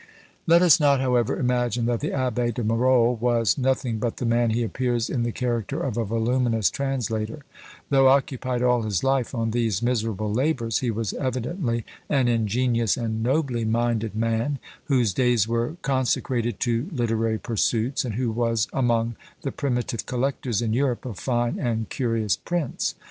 Let us not, however, imagine that the Abbé de Marolles was nothing but the man he appears in the character of a voluminous translator; though occupied all his life on these miserable labours, he was evidently an ingenious and nobly minded man, whose days were consecrated to literary pursuits, and who was among the primitive collectors in Europe of fine and curious prints.